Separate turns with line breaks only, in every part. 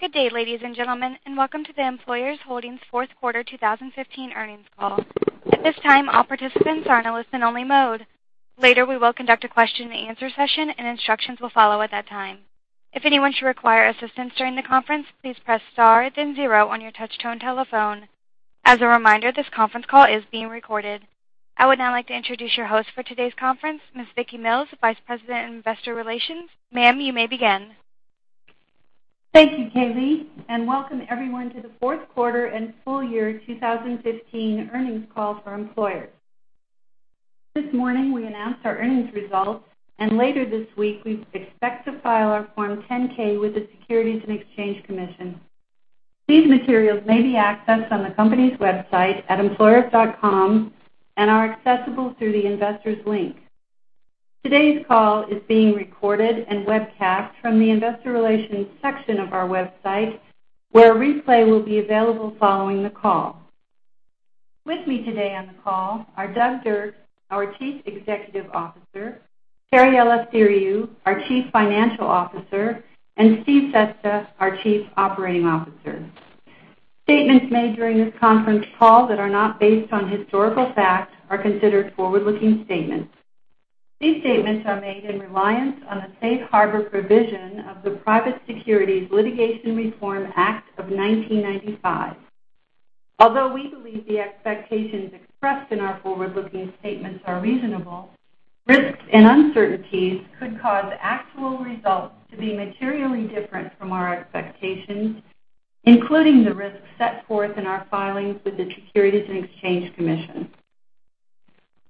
Good day, ladies and gentlemen, and welcome to the Employers Holdings fourth quarter 2015 earnings call. At this time, all participants are in a listen-only mode. Later, we will conduct a question and answer session, and instructions will follow at that time. If anyone should require assistance during the conference, please press star then zero on your touch-tone telephone. As a reminder, this conference call is being recorded. I would now like to introduce your host for today's conference, Ms. Vicki Mills, Vice President of Investor Relations. Ma'am, you may begin.
Thank you, Kaylee, and welcome everyone to the fourth quarter and full year 2015 earnings call for Employers. This morning, we announced our earnings results, and later this week, we expect to file our Form 10-K with the Securities and Exchange Commission. These materials may be accessed on the company's website at employers.com and are accessible through the Investors link. Today's call is being recorded and webcast from the Investor Relations section of our website, where a replay will be available following the call. With me today on the call are Doug Dirks, our Chief Executive Officer, Terry Eleftheriou, our Chief Financial Officer, and Steve Festa, our Chief Operating Officer. Statements made during this conference call that are not based on historical facts are considered forward-looking statements. These statements are made in reliance on the safe harbor provision of the Private Securities Litigation Reform Act of 1995. Although we believe the expectations expressed in our forward-looking statements are reasonable, risks and uncertainties could cause actual results to be materially different from our expectations, including the risks set forth in our filings with the Securities and Exchange Commission.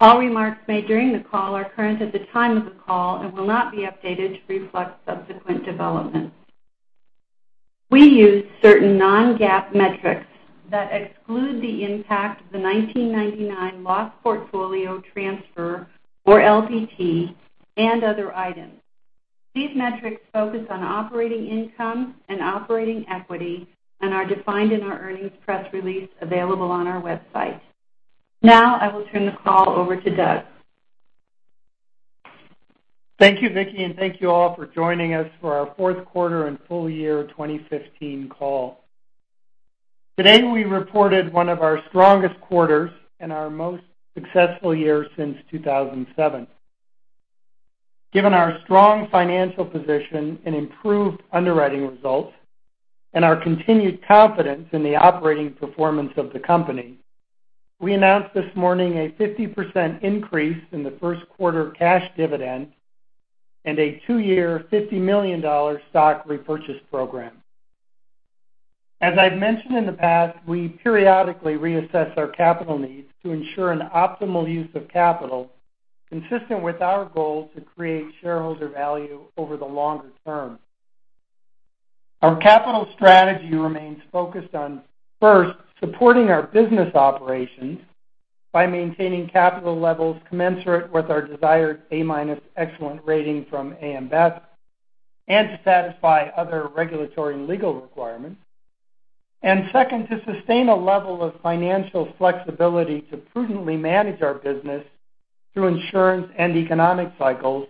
All remarks made during the call are current at the time of the call and will not be updated to reflect subsequent developments. We use certain non-GAAP metrics that exclude the impact of the 1999 loss portfolio transfer, or LPT, and other items. These metrics focus on operating income and operating equity and are defined in our earnings press release available on our website. Now, I will turn the call over to Doug.
Thank you, Vicki, and thank you all for joining us for our fourth quarter and full year 2015 call. Today, we reported one of our strongest quarters and our most successful year since 2007. Given our strong financial position and improved underwriting results and our continued confidence in the operating performance of the company, we announced this morning a 50% increase in the first quarter cash dividend and a two-year, $50 million stock repurchase program. As I've mentioned in the past, we periodically reassess our capital needs to ensure an optimal use of capital consistent with our goal to create shareholder value over the longer term. Our capital strategy remains focused on, first, supporting our business operations by maintaining capital levels commensurate with our desired A-minus excellent rating from AM Best and to satisfy other regulatory and legal requirements. Second, to sustain a level of financial flexibility to prudently manage our business through insurance and economic cycles,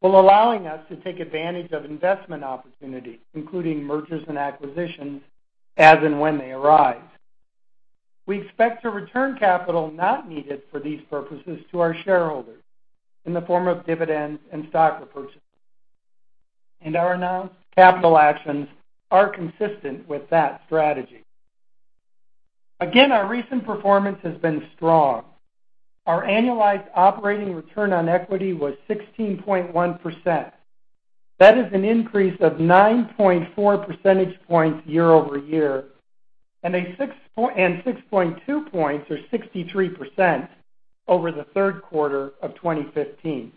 while allowing us to take advantage of investment opportunities, including mergers and acquisitions as and when they arise. We expect to return capital not needed for these purposes to our shareholders in the form of dividends and stock repurchase, and our announced capital actions are consistent with that strategy. Again, our recent performance has been strong. Our annualized operating return on equity was 16.1%. That is an increase of 9.4 percentage points year-over-year and 6.2 points, or 63%, over the third quarter of 2015.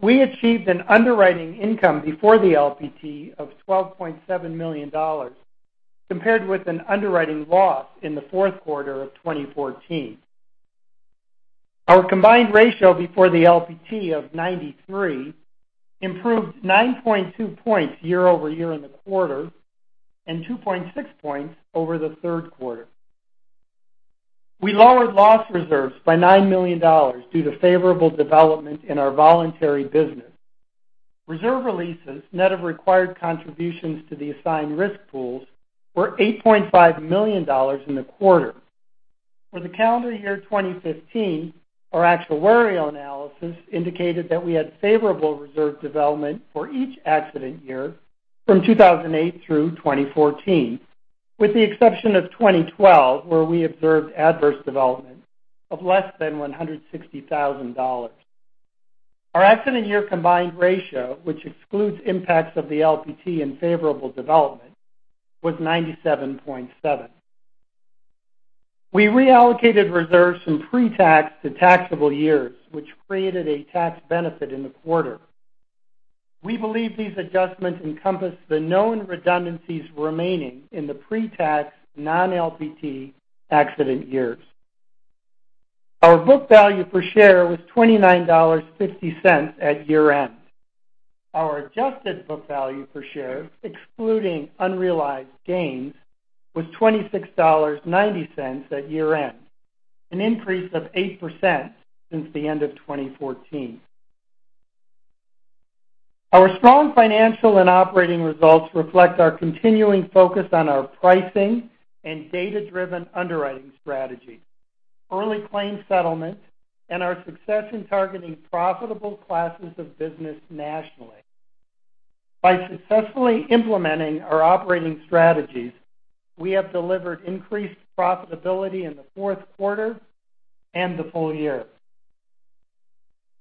We achieved an underwriting income before the LPT of $12.7 million, compared with an underwriting loss in the fourth quarter of 2014. Our combined ratio before the LPT of 93% improved 9.2 points year-over-year in the quarter and 2.6 points over the third quarter. We lowered loss reserves by $9 million due to favorable development in our voluntary business. Reserve releases, net of required contributions to the assigned risk pools, were $8.5 million in the quarter. For the calendar year 2015, our actuarial analysis indicated that we had favorable reserve development for each accident year from 2008 through 2014, with the exception of 2012, where we observed adverse development of less than $160,000. Our accident year combined ratio, which excludes impacts of the LPT and favorable development, was 97.7%. We reallocated reserves from pre-tax to taxable years, which created a tax benefit in the quarter. We believe these adjustments encompass the known redundancies remaining in the pre-tax, non-LPT accident years. Our book value per share was $29.50 at year-end. Our adjusted book value per share, excluding unrealized gains, was $26.90 at year-end. An increase of 8% since the end of 2014. Our strong financial and operating results reflect our continuing focus on our pricing and data-driven underwriting strategy, early claim settlement, and our success in targeting profitable classes of business nationally. By successfully implementing our operating strategies, we have delivered increased profitability in the fourth quarter and the full year.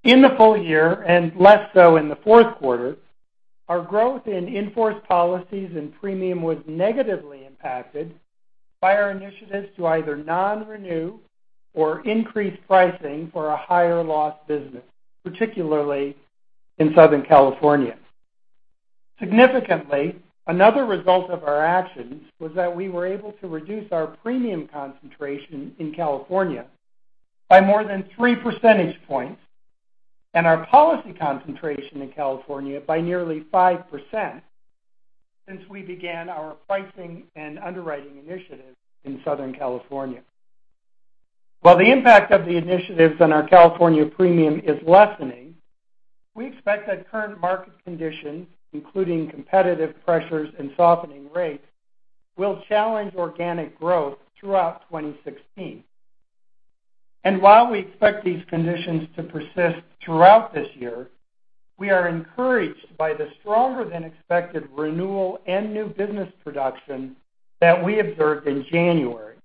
In the full year, and less so in the fourth quarter, our growth in in-force policies and premium was negatively impacted by our initiatives to either non-renew or increase pricing for a higher loss business, particularly in Southern California. Significantly, another result of our actions was that we were able to reduce our premium concentration in California by more than three percentage points and our policy concentration in California by nearly 5% since we began our pricing and underwriting initiatives in Southern California. While the impact of the initiatives on our California premium is lessening, we expect that current market conditions, including competitive pressures and softening rates, will challenge organic growth throughout 2016. While we expect these conditions to persist throughout this year, we are encouraged by the stronger than expected renewal and new business production that we observed in January,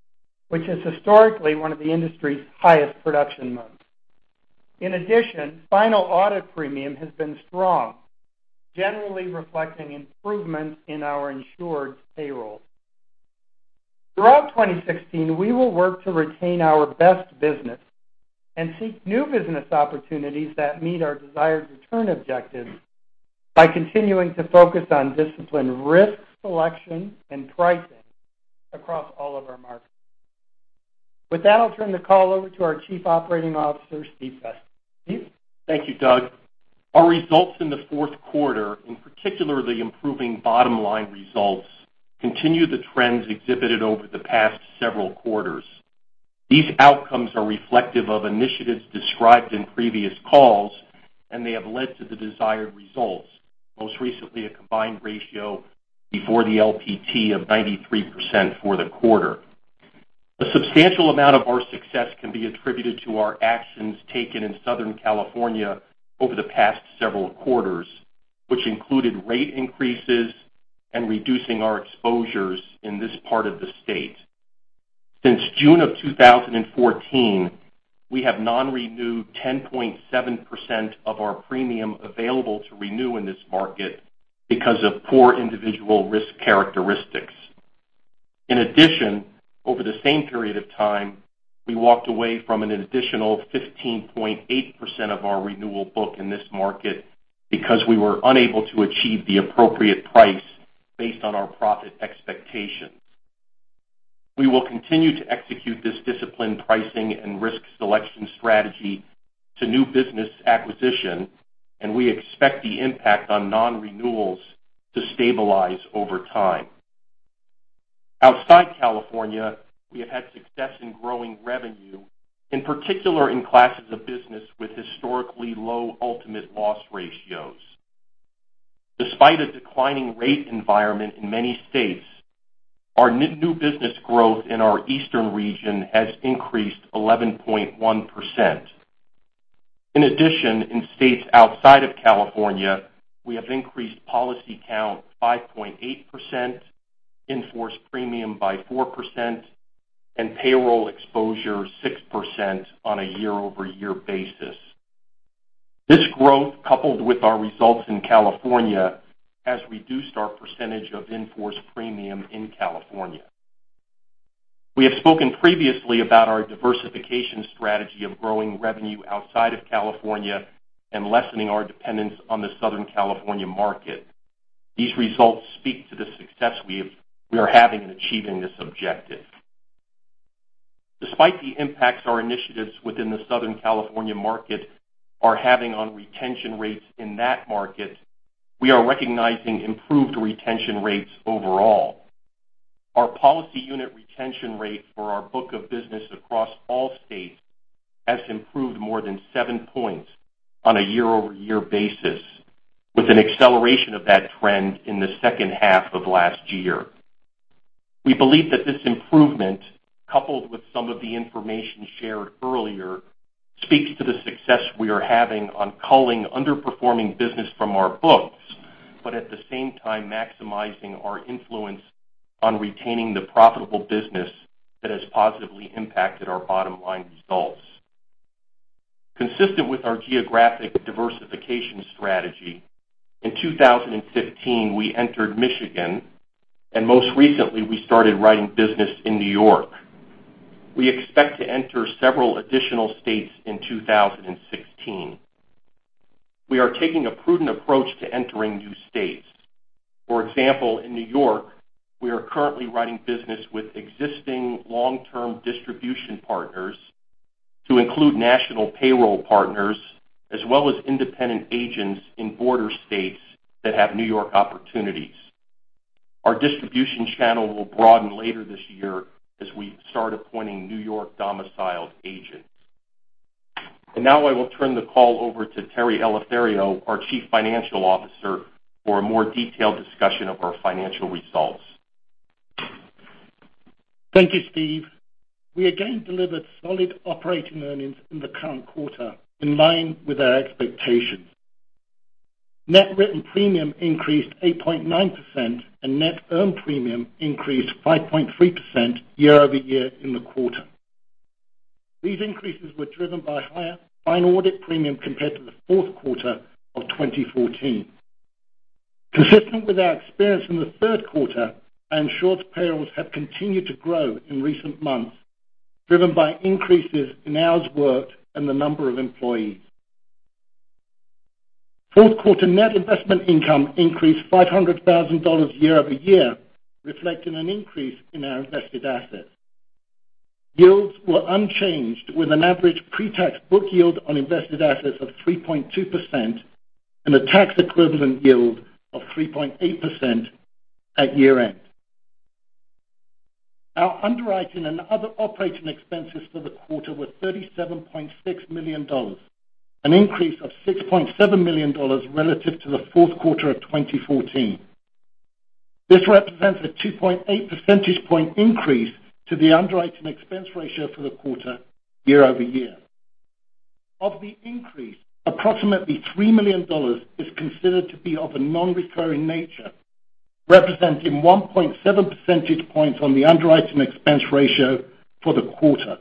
which is historically one of the industry's highest production months. In addition, final audit premium has been strong, generally reflecting improvement in our insured's payroll. Throughout 2016, we will work to retain our best business and seek new business opportunities that meet our desired return objectives by continuing to focus on disciplined risk selection and pricing across all of our markets. With that, I'll turn the call over to our Chief Operating Officer, Steve Festa. Steve?
Thank you, Doug. Our results in the fourth quarter, in particular the improving bottom-line results, continue the trends exhibited over the past several quarters. These outcomes are reflective of initiatives described in previous calls, and they have led to the desired results, most recently a combined ratio before the LPT of 93% for the quarter. A substantial amount of our success can be attributed to our actions taken in Southern California over the past several quarters, which included rate increases and reducing our exposures in this part of the state. Since June of 2014, we have non-renewed 10.7% of our premium available to renew in this market because of poor individual risk characteristics. In addition, over the same period of time, we walked away from an additional 15.8% of our renewal book in this market because we were unable to achieve the appropriate price based on our profit expectations. We will continue to execute this disciplined pricing and risk selection strategy to new business acquisition, we expect the impact on non-renewals to stabilize over time. Outside California, we have had success in growing revenue, in particular in classes of business with historically low ultimate loss ratios. Despite a declining rate environment in many states, our new business growth in our eastern region has increased 11.1%. In addition, in states outside of California, we have increased policy count 5.8%, in-force premium by 4%, and payroll exposure 6% on a year-over-year basis. This growth, coupled with our results in California, has reduced our percentage of in-force premium in California. We have spoken previously about our diversification strategy of growing revenue outside of California and lessening our dependence on the Southern California market. These results speak to the success we are having in achieving this objective. Despite the impacts our initiatives within the Southern California market are having on retention rates in that market, we are recognizing improved retention rates overall. Our policy unit retention rate for our book of business across all states has improved more than seven points on a year-over-year basis, with an acceleration of that trend in the second half of last year. We believe that this improvement, coupled with some of the information shared earlier, speaks to the success we are having on culling underperforming business from our books, but at the same time maximizing our influence on retaining the profitable business that has positively impacted our bottom-line results. Consistent with our geographic diversification strategy, in 2015 we entered Michigan and most recently we started writing business in New York. We expect to enter several additional states in 2016. We are taking a prudent approach to entering new states. For example, in New York, we are currently writing business with existing long-term distribution partners to include national payroll partners as well as independent agents in border states that have New York opportunities. Our distribution channel will broaden later this year as we start appointing New York-domiciled agents. Now I will turn the call over to Terry Eleftheriou, our Chief Financial Officer, for a more detailed discussion of our financial results.
Thank you, Steve. We again delivered solid operating earnings in the current quarter in line with our expectations. Net written premium increased 8.9%, and net earned premium increased 5.3% year-over-year in the quarter. These increases were driven by higher final audit premium compared to the fourth quarter of 2014. Consistent with our experience in the third quarter, our in-force payrolls have continued to grow in recent months, driven by increases in hours worked and the number of employees. Fourth quarter net investment income increased $500,000 year-over-year, reflecting an increase in our invested assets. Yields were unchanged, with an average pretax book yield on invested assets of 3.2% and a tax-equivalent yield of 3.8% at year-end. Our underwriting and other operating expenses for the quarter were $37.6 million, an increase of $6.7 million relative to the fourth quarter of 2014. This represents a 2.8 percentage point increase to the underwriting expense ratio for the quarter year-over-year. Of the increase, approximately $3 million is considered to be of a non-recurring nature, representing 1.7 percentage points on the underwriting expense ratio for the quarter.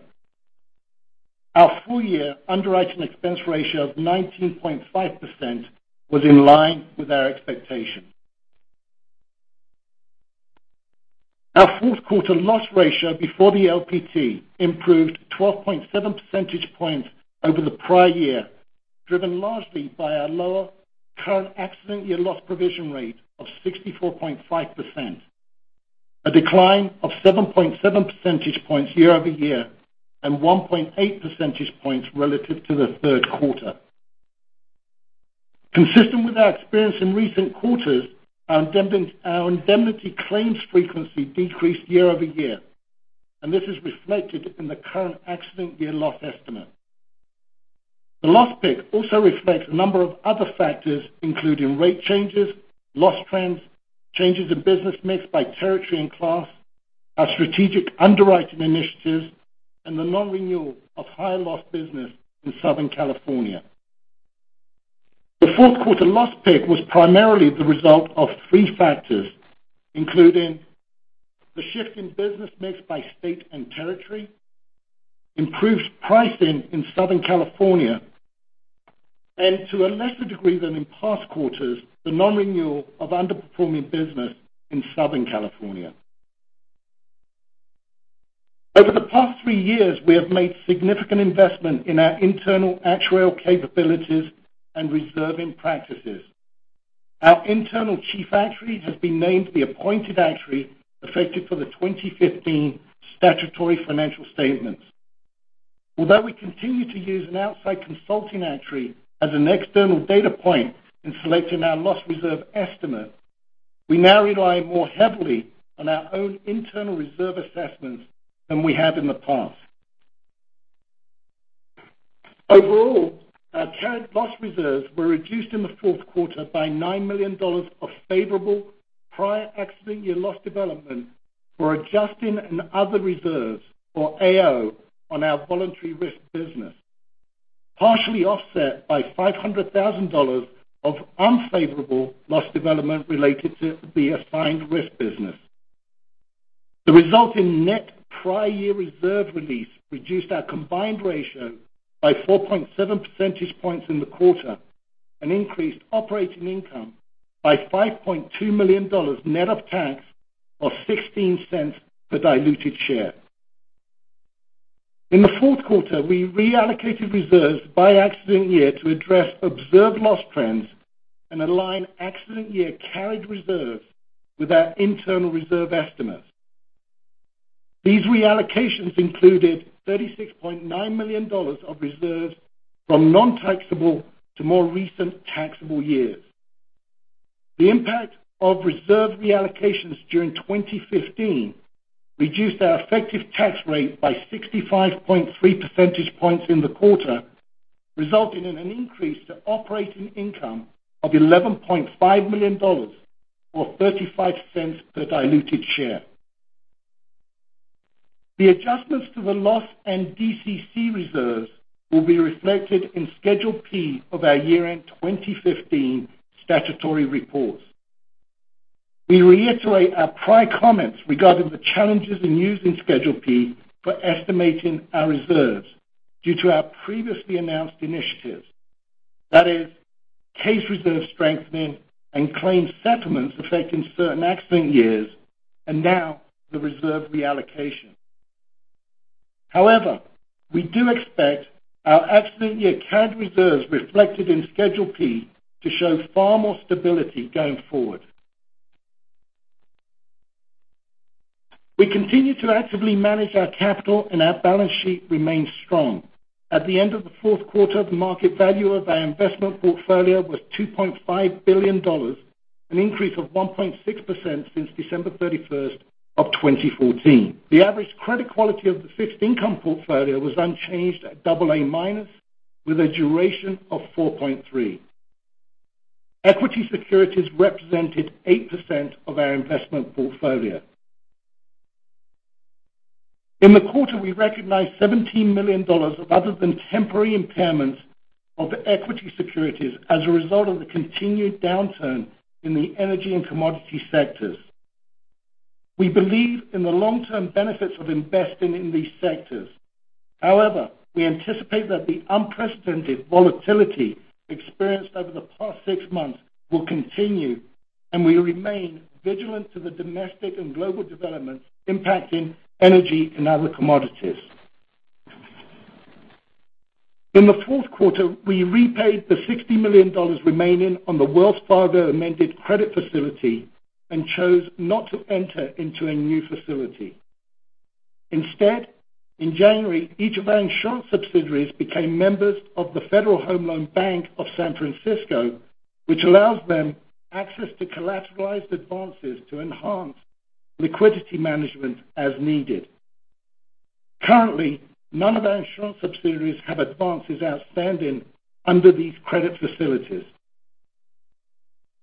Our full-year underwriting expense ratio of 19.5% was in line with our expectations. Our fourth quarter loss ratio before the LPT improved 12.7 percentage points over the prior year, driven largely by our lower current accident year loss provision rate of 64.5%, a decline of 7.7 percentage points year-over-year and 1.8 percentage points relative to the third quarter. Consistent with our experience in recent quarters, our indemnity claims frequency decreased year-over-year, and this is reflected in the current accident year loss estimate. The loss pick also reflects a number of other factors, including rate changes, loss trends, changes in business mix by territory and class, our strategic underwriting initiatives, and the nonrenewal of high-loss business in Southern California. The fourth quarter loss pick was primarily the result of three factors, including the shift in business mix by state and territory, improved pricing in Southern California, and to a lesser degree than in past quarters, the nonrenewal of underperforming business in Southern California. Over the past three years, we have made significant investment in our internal actuarial capabilities and reserving practices. Our internal chief actuary has been named the appointed actuary, effective for the 2015 statutory financial statements. Although we continue to use an outside consulting actuary as an external data point in selecting our loss reserve estimate, we now rely more heavily on our own internal reserve assessments than we have in the past. Overall, our current loss reserves were reduced in the fourth quarter by $9 million of favorable prior accident year loss development for adjusting and other reserves, or AO, on our voluntary risk business, partially offset by $500,000 of unfavorable loss development related to the assigned risk business. The resulting net prior year reserve release reduced our combined ratio by 4.7 percentage points in the quarter and increased operating income by $5.2 million net of tax, or $0.16 per diluted share. In the fourth quarter, we reallocated reserves by accident year to address observed loss trends and align accident year carried reserves with our internal reserve estimates. These reallocations included $36.9 million of reserves from non-taxable to more recent taxable years. The impact of reserve reallocations during 2015 reduced our effective tax rate by 65.3 percentage points in the quarter, resulting in an increase to operating income of $11.5 million, or $0.35 per diluted share. The adjustments to the loss and DCC reserves will be reflected in Schedule P of our year-end 2015 statutory report. We reiterate our prior comments regarding the challenges in using Schedule P for estimating our reserves due to our previously announced initiatives. That is, case reserve strengthening and claim settlements affecting certain accident years, and now the reserve reallocation. However, we do expect our accident year carried reserves reflected in Schedule P to show far more stability going forward. We continue to actively manage our capital, and our balance sheet remains strong. At the end of the fourth quarter, the market value of our investment portfolio was $2.5 billion, an increase of 1.6% since December 31st of 2014. The average credit quality of the fixed income portfolio was unchanged at double A-minus with a duration of 4.3. Equity securities represented 8% of our investment portfolio. In the quarter, we recognized $17 million of other than temporary impairments of equity securities as a result of the continued downturn in the energy and commodity sectors. We believe in the long-term benefits of investing in these sectors. We anticipate that the unprecedented volatility experienced over the past six months will continue, and we remain vigilant to the domestic and global developments impacting energy and other commodities. In the fourth quarter, we repaid the $60 million remaining on the Wells Fargo amended credit facility and chose not to enter into a new facility. In January, each of our insurance subsidiaries became members of the Federal Home Loan Bank of San Francisco, which allows them access to collateralized advances to enhance liquidity management as needed. Currently, none of our insurance subsidiaries have advances outstanding under these credit facilities.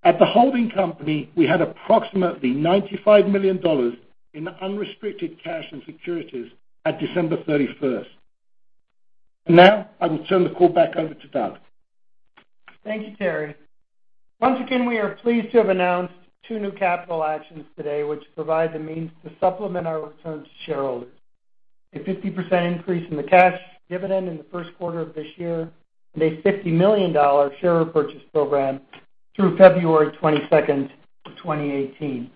At the holding company, we had approximately $95 million in unrestricted cash and securities at December 31st. I will turn the call back over to Doug.
Thank you, Terry. Once again, we are pleased to have announced two new capital actions today, which provide the means to supplement our return to shareholders. A 50% increase in the cash dividend in the first quarter of this year and a $50 million share repurchase program through February 22nd of 2018.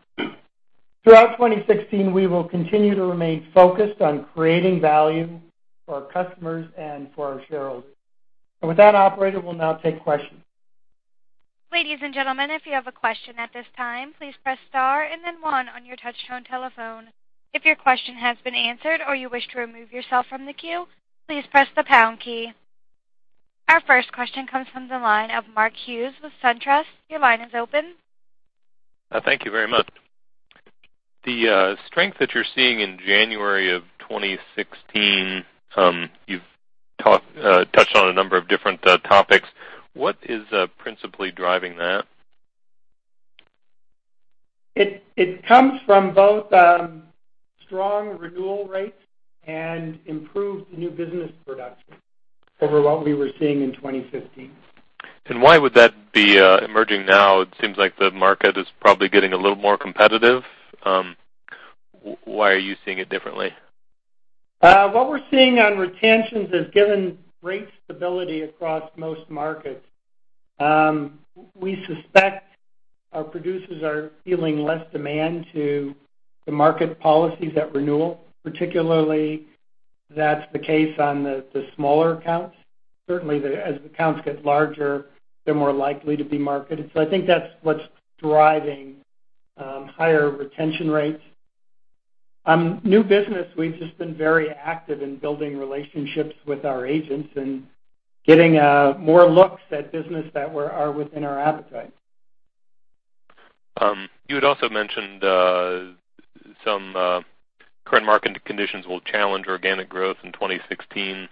Throughout 2016, we will continue to remain focused on creating value for our customers and for our shareholders. With that, operator, we'll now take questions.
Ladies and gentlemen, if you have a question at this time, please press star and then one on your touchtone telephone. If your question has been answered or you wish to remove yourself from the queue, please press the pound key. Our first question comes from the line of Mark Hughes with SunTrust. Your line is open.
Thank you very much. The strength that you're seeing in January of 2016, you've touched on a number of different topics. What is principally driving that?
It comes from both strong renewal rates and improved new business production over what we were seeing in 2015.
Why would that be emerging now? It seems like the market is probably getting a little more competitive. Why are you seeing it differently?
What we're seeing on retentions has given great stability across most markets. We suspect our producers are feeling less demand to the market policies at renewal. Particularly, that's the case on the smaller accounts. Certainly, as accounts get larger, they're more likely to be marketed. I think that's what's driving higher retention rates. New business, we've just been very active in building relationships with our agents and getting more looks at business that are within our appetite.
You had also mentioned some current market conditions will challenge organic growth in 2016.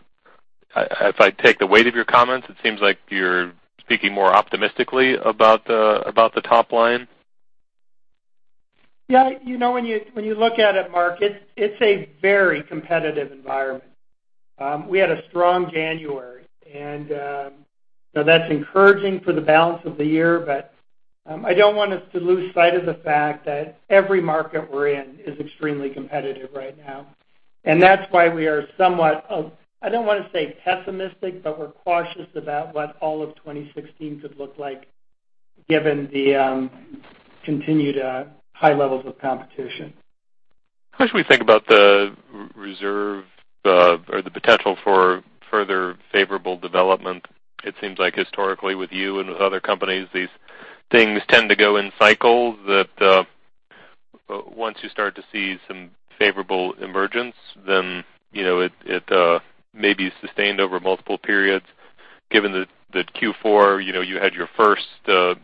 If I take the weight of your comments, it seems like you're speaking more optimistically about the top line.
When you look at it, Mark, it's a very competitive environment. We had a strong January, and so that's encouraging for the balance of the year. I don't want us to lose sight of the fact that every market we're in is extremely competitive right now, and that's why we are somewhat of, I don't want to say pessimistic, but we're cautious about what all of 2016 could look like given the continued high levels of competition.
How should we think about the reserve or the potential for further favorable development? It seems like historically with you and with other companies, these things tend to go in cycles, that once you start to see some favorable emergence, then it may be sustained over multiple periods. Given that Q4, you had your first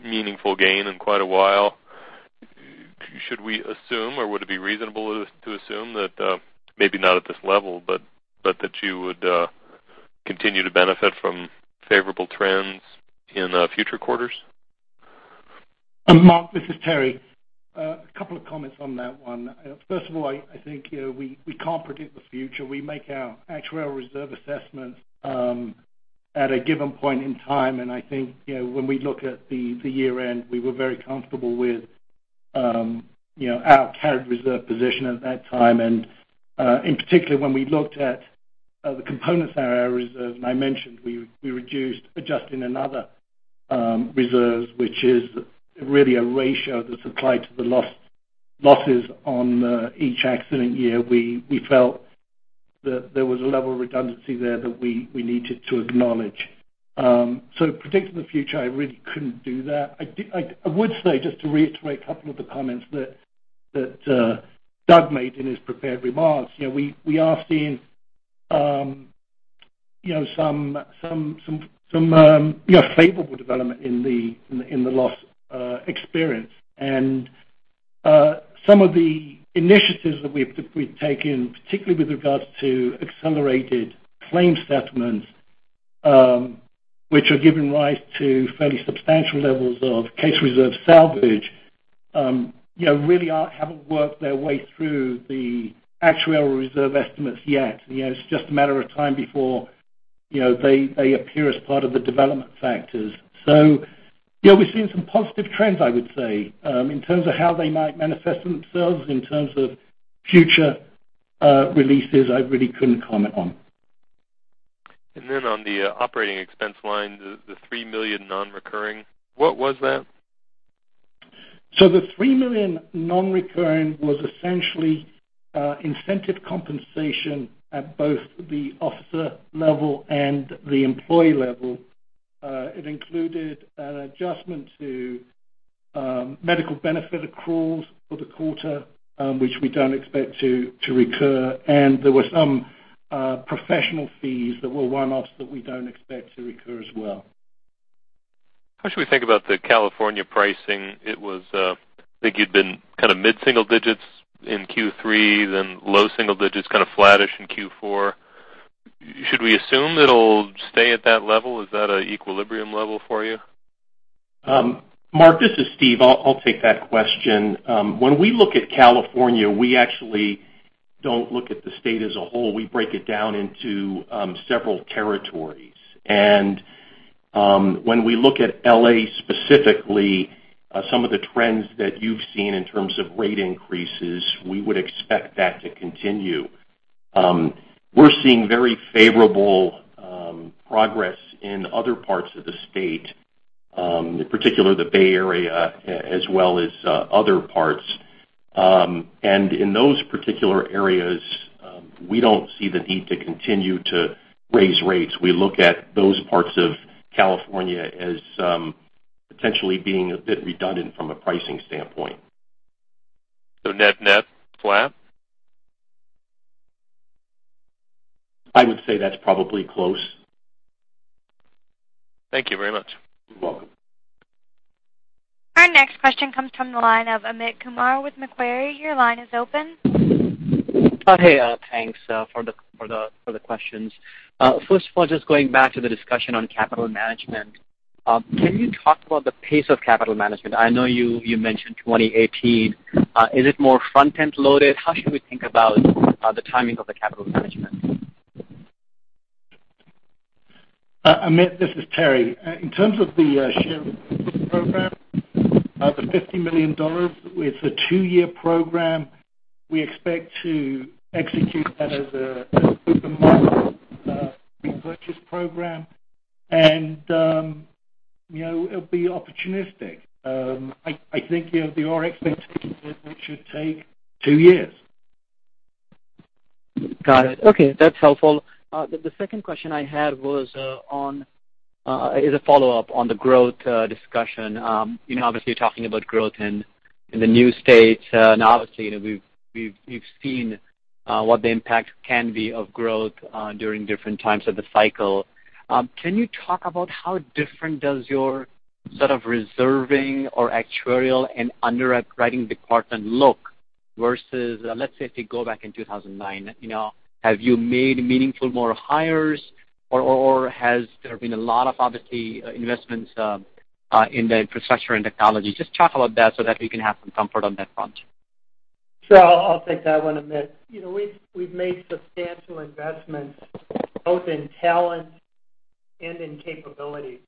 meaningful gain in quite a while, should we assume, or would it be reasonable to assume that maybe not at this level, but that you would continue to benefit from favorable trends in future quarters?
Mark, this is Terry. A couple of comments on that one. First of all, I think we can't predict the future. We make our actuarial reserve assessments at a given point in time, I think when we look at the year-end, we were very comfortable with our carried reserve position at that time. Particularly when we looked at the components of our reserves, I mentioned we reduced, adjusting other reserves, which is really a ratio that's applied to the losses on each accident year. We felt that there was a level of redundancy there that we needed to acknowledge. Predicting the future, I really couldn't do that. I would say, just to reiterate a couple of the comments that Doug made in his prepared remarks, we are seeing some favorable development in the loss experience. Some of the initiatives that we've taken, particularly with regards to accelerated claims settlement, which are giving rise to fairly substantial levels of case reserve salvage, really haven't worked their way through the actuarial reserve estimates yet. It's just a matter of time before they appear as part of the development factors. We're seeing some positive trends, I would say. In terms of how they might manifest themselves, in terms of future releases, I really couldn't comment on.
On the operating expense line, the $3 million non-recurring, what was that?
The $3 million non-recurring was essentially incentive compensation at both the officer level and the employee level. It included an adjustment to medical benefit accruals for the quarter, which we don't expect to recur, and there were some professional fees that were one-offs that we don't expect to recur as well.
How should we think about the California pricing? It was, I think you'd been kind of mid-single digits in Q3, then low single digits, kind of flattish in Q4. Should we assume it'll stay at that level? Is that an equilibrium level for you?
Mark, this is Steve. I'll take that question. When we look at California, we actually don't look at the state as a whole. We break it down into several territories. When we look at L.A. specifically, some of the trends that you've seen in terms of rate increases, we would expect that to continue. We're seeing very favorable progress in other parts of the state, in particular the Bay Area, as well as other parts. In those particular areas, we don't see the need to continue to raise rates. We look at those parts of California as potentially being a bit redundant from a pricing standpoint.
Net, net, flat?
I would say that's probably close.
Thank you very much.
You're welcome.
Our next question comes from the line of Amit Kumar with Macquarie. Your line is open.
Doug. Hey, thanks for the questions. First of all, just going back to the discussion on capital management. Can you talk about the pace of capital management? I know you mentioned 2018. Is it more front-end loaded? How should we think about the timing of the capital management?
Amit, this is Terry. In terms of the share purchase program, the $50 million, it's a two-year program. We expect to execute that as a market repurchase program. It'll be opportunistic. I think our expectation is that it should take two years.
Got it. Okay, that's helpful. The second question I had is a follow-up on the growth discussion. Obviously, you're talking about growth in the new states. Now, obviously, we've seen what the impact can be of growth during different times of the cycle. Can you talk about how different does your sort of reserving or actuarial and underwriting department look versus, let's say, if you go back in 2009. Have you made meaningful more hires or has there been a lot of, obviously, investments in the infrastructure and technology? Just talk about that so that we can have some comfort on that front.
Sure. I'll take that one, Amit. We've made substantial investments both in talent and in capability.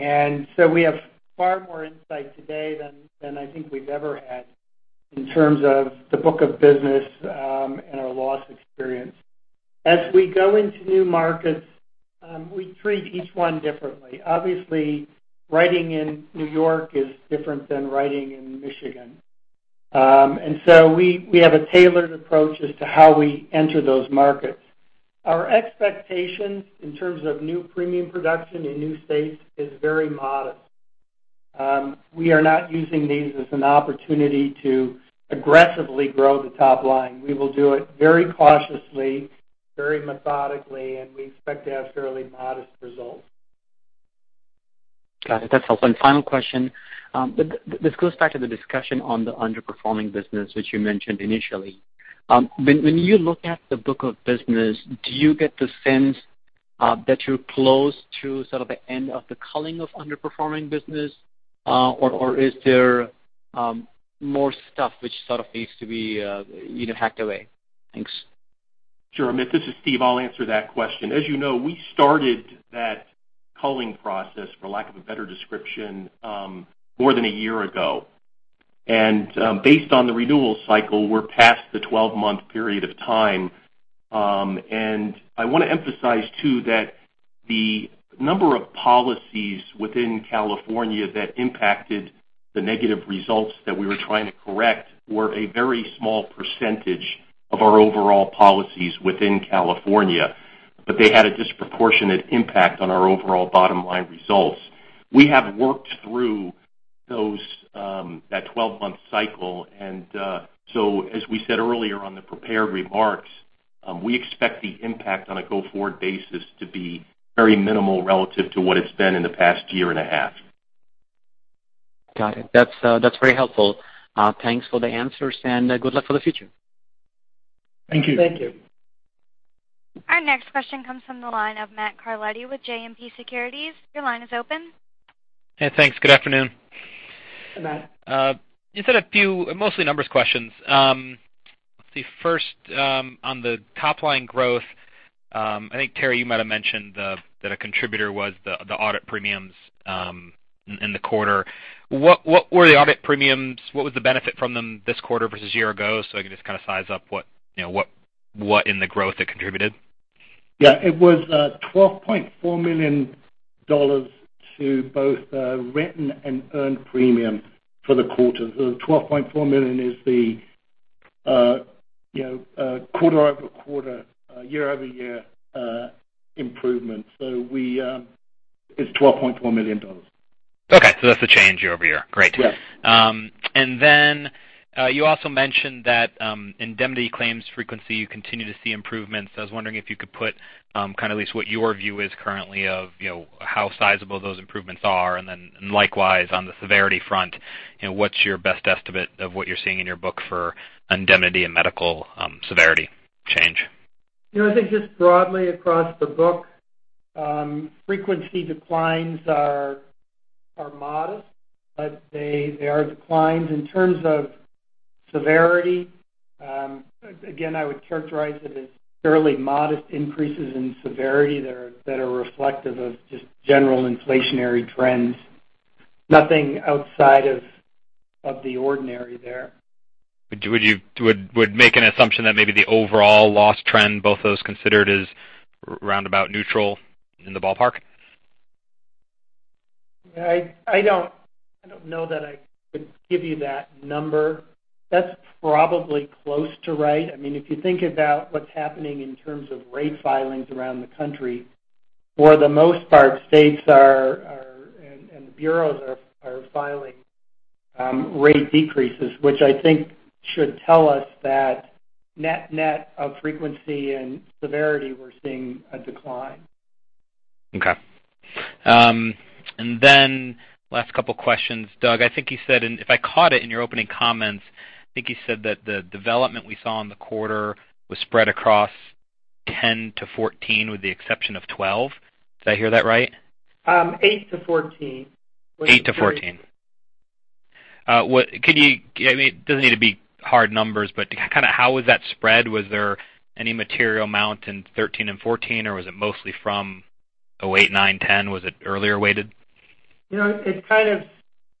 We have far more insight today than I think we've ever had in terms of the book of business and our loss experience. As we go into new markets, we treat each one differently. Obviously, writing in New York is different than writing in Michigan. We have a tailored approach as to how we enter those markets. Our expectations in terms of new premium production in new states is very modest. We are not using these as an opportunity to aggressively grow the top line. We will do it very cautiously, very methodically, and we expect to have fairly modest results.
Got it. That's helpful. Final question, this goes back to the discussion on the underperforming business, which you mentioned initially. When you look at the book of business, do you get the sense that you're close to sort of the end of the culling of underperforming business? Or is there more stuff which sort of needs to be hacked away? Thanks.
Sure, Amit, this is Steve. I'll answer that question. As you know, we started that culling process, for lack of a better description, more than a year ago. Based on the renewal cycle, we're past the 12-month period of time. I want to emphasize too that the number of policies within California that impacted the negative results that we were trying to correct were a very small % of our overall policies within California, but they had a disproportionate impact on our overall bottom line results. We have worked through that 12-month cycle. As we said earlier on the prepared remarks, we expect the impact on a go-forward basis to be very minimal relative to what it's been in the past year and a half.
Got it. That's very helpful. Thanks for the answers, and good luck for the future.
Thank you.
Thank you.
Our next question comes from the line of Matt Carletti with JMP Securities. Your line is open.
Hey, thanks. Good afternoon.
Hey, Matt.
Just had a few, mostly numbers questions. The first on the top-line growth, I think, Terry, you might have mentioned that a contributor was the audit premiums in the quarter. What were the audit premiums? What was the benefit from them this quarter versus year ago so I can just kind of size up what in the growth it contributed?
Yeah. It was $12.4 million to both written and earned premium for the quarter. The $12.4 million is the quarter-over-quarter, year-over-year improvement. It's $12.4 million.
Okay, that's the change year-over-year. Great.
Yes.
Then you also mentioned that indemnity claims frequency, you continue to see improvements. I was wondering if you could put kind of at least what your view is currently of how sizable those improvements are. Then likewise, on the severity front, what's your best estimate of what you're seeing in your book for indemnity and medical severity change?
I think just broadly across the book, frequency declines are modest, but they are declines. In terms of severity, again, I would characterize it as fairly modest increases in severity that are reflective of just general inflationary trends. Nothing outside of the ordinary there.
Would make an assumption that maybe the overall loss trend, both those considered, is roundabout neutral in the ballpark?
I don't know that I could give you that number. That's probably close to right. If you think about what's happening in terms of rate filings around the country, for the most part, states are and bureaus are filing rate decreases, which I think should tell us that net of frequency and severity, we're seeing a decline.
Okay. Last couple of questions. Doug, if I caught it in your opening comments, I think you said that the development we saw in the quarter was spread across 2010-2014 with the exception of 2012. Did I hear that right?
2008-2014.
2008-2014. It doesn't need to be hard numbers, kind of how was that spread? Was there any material amount in 2013 and 2014, or was it mostly from the 2008, 2009, 2010? Was it earlier weighted?
It kind of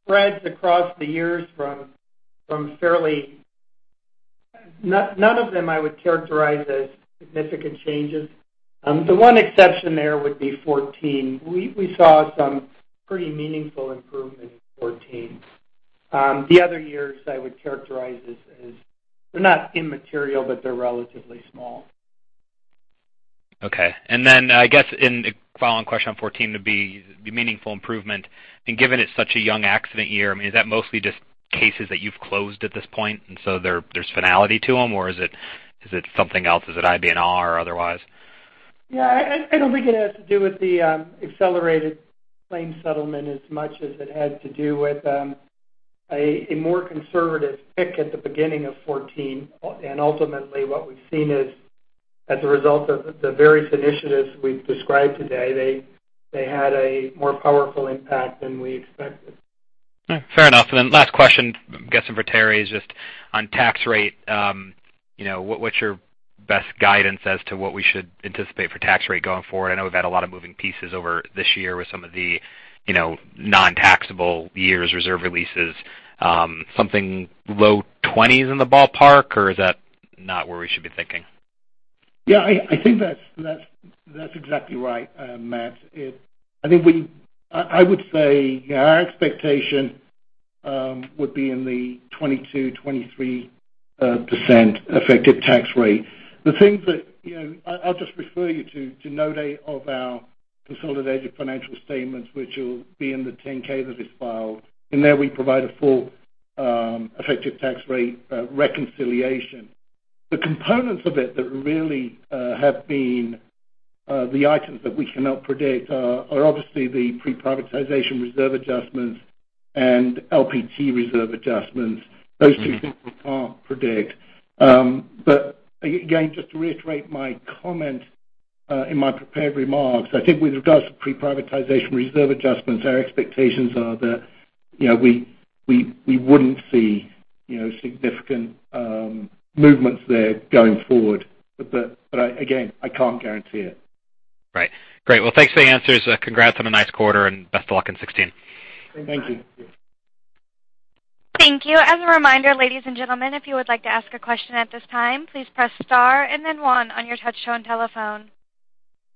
spreads across the years. None of them I would characterize as significant changes. The one exception there would be 2014. We saw some pretty meaningful improvement in 2014. The other years I would characterize as they're not immaterial, but they're relatively small.
Okay. Then I guess in the following question on 2014 to be meaningful improvement, and given it's such a young accident year, I mean, is that mostly just cases that you've closed at this point, and so there's finality to them, or is it something else? Is it IBNR or otherwise?
Yeah. I don't think it has to do with the accelerated claim settlement as much as it had to do with a more conservative pick at the beginning of 2014. Ultimately, what we've seen is as a result of the various initiatives we've described today, they had a more powerful impact than we expected.
Fair enough. Last question, I'm guessing for Terry, is just on tax rate. What's your best guidance as to what we should anticipate for tax rate going forward? I know we've had a lot of moving pieces over this year with some of the non-taxable years reserve releases. Something low twenties in the ballpark, or is that not where we should be thinking?
Yeah, I think that's exactly right, Matt. I would say our expectation would be in the 22%-23% effective tax rate. I'll just refer you to the note of our consolidated financial statements, which will be in the 10-K that is filed. In there, we provide a full effective tax rate reconciliation. The components of it that really have been the items that we cannot predict are obviously the pre-privatization reserve adjustments and LPT reserve adjustments. Those two things we can't predict. Again, just to reiterate my comment in my prepared remarks, I think with regards to pre-privatization reserve adjustments, our expectations are that we wouldn't see significant movements there going forward. Again, I can't guarantee it.
Right. Great. Well, thanks for the answers. Congrats on a nice quarter and best of luck in 2016.
Thank you.
Thank you. As a reminder, ladies and gentlemen, if you would like to ask a question at this time, please press star and then one on your touchtone telephone.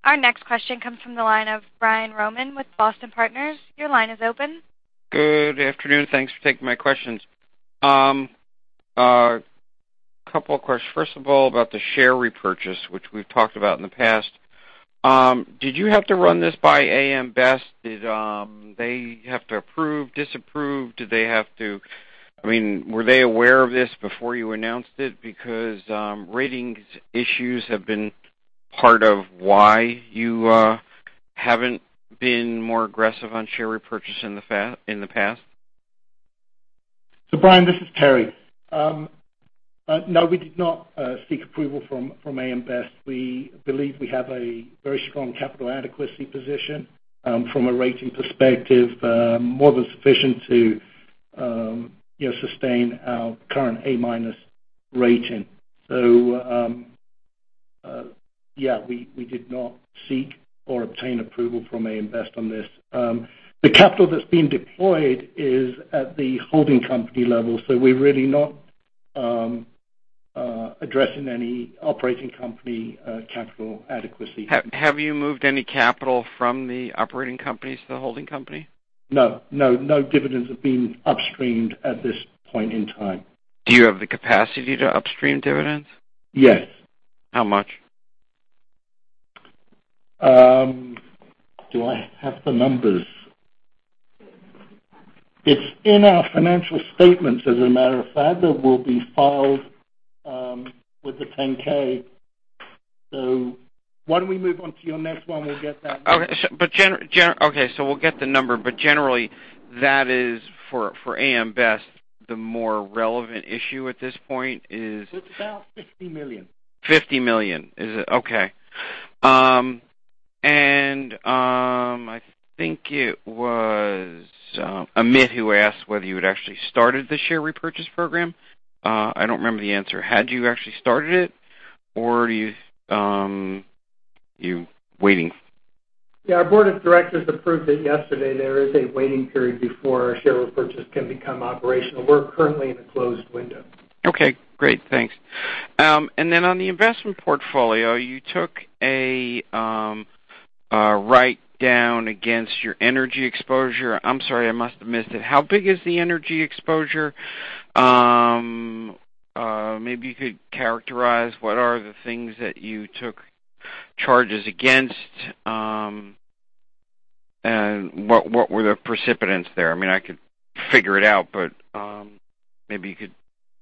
Our next question comes from the line of Brian Roman with Boston Partners. Your line is open.
Good afternoon. Thanks for taking my questions. A couple of questions. First of all, about the share repurchase, which we've talked about in the past. Did you have to run this by AM Best? Did they have to approve, disapprove? Were they aware of this before you announced it? Because ratings issues have been part of why you haven't been more aggressive on share repurchase in the past.
Brian, this is Terry. No, we did not seek approval from AM Best. We believe we have a very strong capital adequacy position from a rating perspective, more than sufficient to sustain our current A-minus rating. Yeah, we did not seek or obtain approval from AM Best on this. The capital that's being deployed is at the holding company level, so we're really not addressing any operating company capital adequacy.
Have you moved any capital from the operating companies to the holding company?
No. No dividends have been upstreamed at this point in time.
Do you have the capacity to upstream dividends?
Yes.
How much?
Do I have the numbers? It's in our financial statements, as a matter of fact, that will be filed with the 10-K. Why don't we move on to your next one? We'll get that.
Okay, we'll get the number. Generally, that is for AM Best, the more relevant issue at this point is.
It's about $50 million.
$50 million. Okay. I think it was Amit who asked whether you had actually started the share repurchase program. I don't remember the answer. Had you actually started it or are you waiting?
Yeah, our board of directors approved it yesterday. There is a waiting period before a share repurchase can become operational. We're currently in a closed window.
Okay, great. Thanks. On the investment portfolio, you took a write-down against your energy exposure. I'm sorry, I must have missed it. How big is the energy exposure? Maybe you could characterize what are the things that you took charges against, and what were the precipitants there? I could figure it out, but maybe you could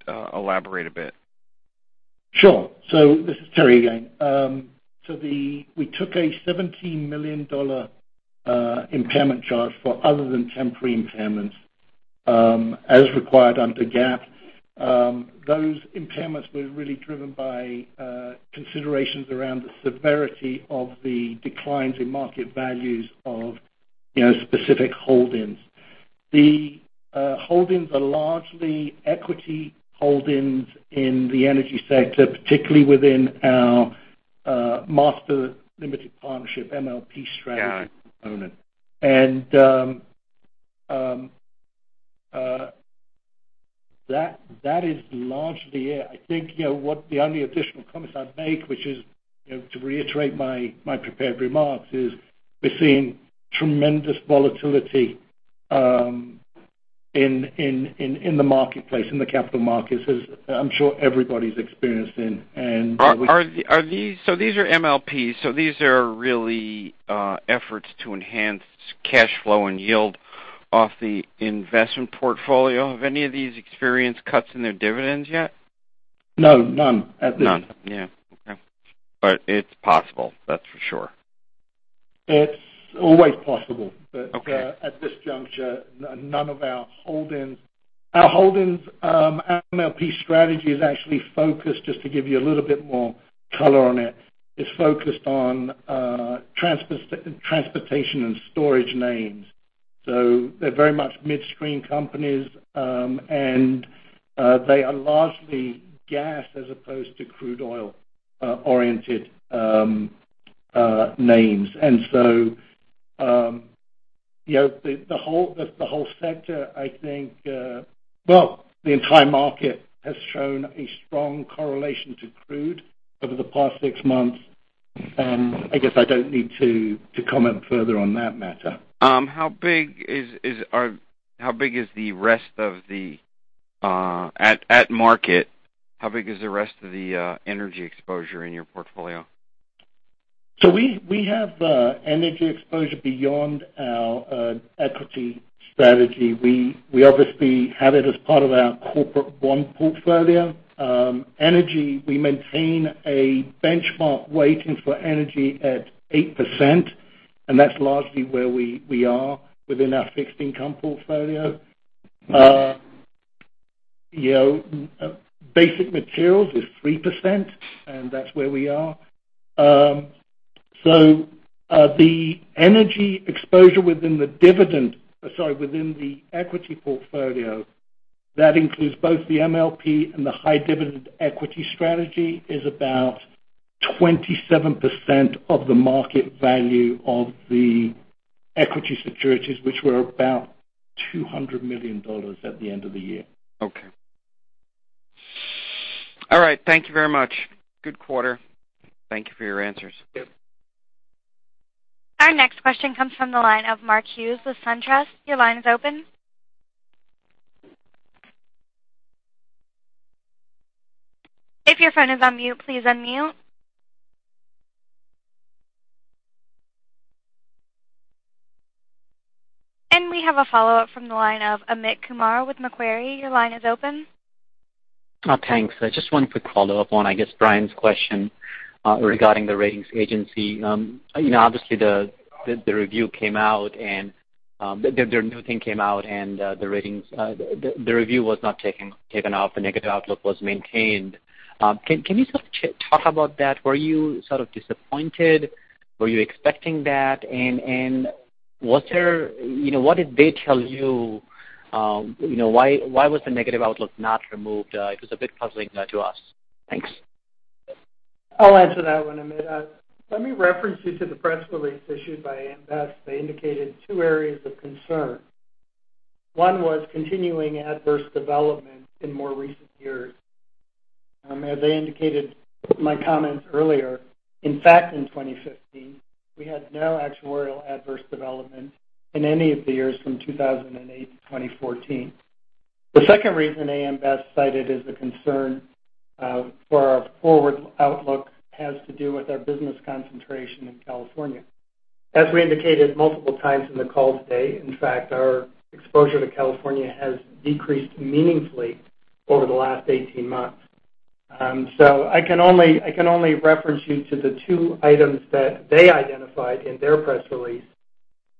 elaborate a bit.
This is Terry again. We took a $17 million impairment charge for other than temporary impairments, as required under GAAP. Those impairments were really driven by considerations around the severity of the declines in market values of specific holdings. The holdings are largely equity holdings in the energy sector, particularly within our Master Limited Partnership, MLP strategy component. That is largely it. I think the only additional comments I'd make, which is to reiterate my prepared remarks, is we're seeing tremendous volatility in the marketplace, in the capital markets, as I'm sure everybody's experiencing.
These are MLPs, so these are really efforts to enhance cash flow and yield off the investment portfolio. Have any of these experienced cuts in their dividends yet?
No, none at this point.
None. Yeah. Okay. It's possible, that's for sure.
It's always possible.
Okay.
At this juncture, none of our holdings, our MLP strategy is actually focused, just to give you a little bit more color on it, is focused on transportation and storage names. They're very much midstream companies, and they are largely gas as opposed to crude oil-oriented names. The whole sector I think, well, the entire market has shown a strong correlation to crude over the past six months. I guess I don't need to comment further on that matter.
At market, how big is the rest of the energy exposure in your portfolio?
We have energy exposure beyond our equity strategy. We obviously have it as part of our corporate bond portfolio. Energy, we maintain a benchmark weighting for energy at 8%, and that's largely where we are within our fixed income portfolio. Basic materials is 3%, and that's where we are. The energy exposure within the dividend, sorry, within the equity portfolio, that includes both the MLP and the high dividend equity strategy, is about 27% of the market value of the equity securities, which were about $200 million at the end of the year.
Okay. All right. Thank you very much. Good quarter. Thank you for your answers.
Yep.
Our next question comes from the line of Mark Hughes with SunTrust. Your line is open. If your phone is on mute, please unmute. We have a follow-up from the line of Amit Kumar with Macquarie. Your line is open.
Thanks. I just one quick follow-up on, I guess, Brian's question regarding the ratings agency. Obviously, the review came out and their new thing came out, and the review was not taken off. The negative outlook was maintained. Can you sort of talk about that? Were you sort of disappointed? Were you expecting that? What did they tell you? Why was the negative outlook not removed? It was a bit puzzling to us. Thanks.
I'll answer that one, Amit. Let me reference you to the press release issued by AM Best. They indicated two areas of concern. One was continuing adverse development in more recent years. As I indicated in my comments earlier, in fact, in 2015, we had no actuarial adverse development in any of the years from 2008 to 2014. The second reason AM Best cited as a concern for our forward outlook has to do with our business concentration in California. As we indicated multiple times in the call today, in fact, our exposure to California has decreased meaningfully over the last 18 months. I can only reference you to the two items that they identified in their press release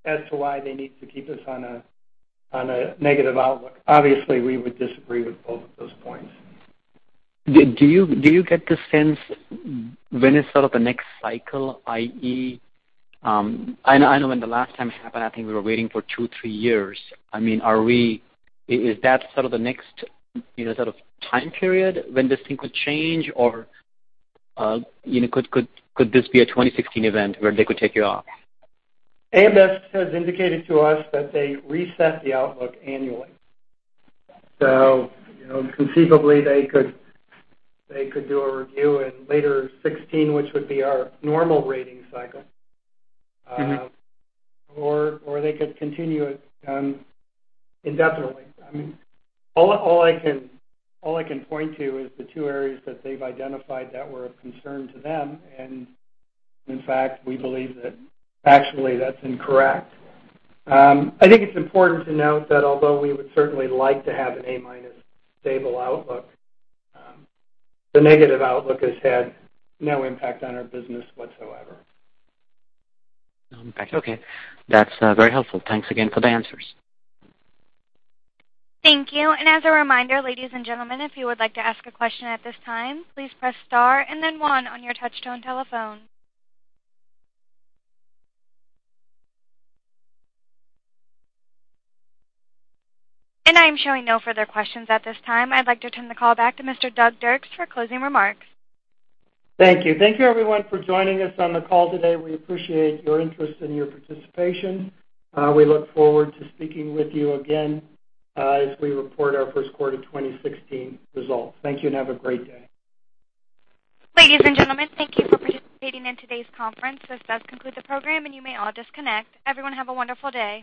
as to why they need to keep us on a negative outlook. Obviously, we would disagree with both of those points.
Do you get the sense when is sort of the next cycle, i.e., I know when the last time happened, I think we were waiting for two, three years. Is that sort of the next sort of time period when this thing could change? Could this be a 2016 event where they could take you off?
AM Best has indicated to us that they reset the outlook annually. Conceivably, they could do a review in later 2016, which would be our normal rating cycle. They could continue it indefinitely. All I can point to is the two areas that they've identified that were of concern to them, and in fact, we believe that actually that's incorrect. I think it's important to note that although we would certainly like to have an A-minus stable outlook, the negative outlook has had no impact on our business whatsoever.
Okay. That's very helpful. Thanks again for the answers.
Thank you. As a reminder, ladies and gentlemen, if you would like to ask a question at this time, please press star and then one on your touchtone telephone. I am showing no further questions at this time. I'd like to turn the call back to Mr. Doug Dirks for closing remarks.
Thank you. Thank you everyone for joining us on the call today. We appreciate your interest and your participation. We look forward to speaking with you again as we report our first quarter 2016 results. Thank you, and have a great day.
Ladies and gentlemen, thank you for participating in today's conference. This does conclude the program, and you may all disconnect. Everyone have a wonderful day.